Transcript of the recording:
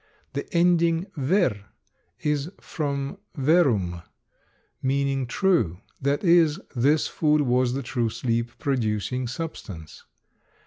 The ending ver is from verum, meaning true; that is, this food was the true sleep producing substance.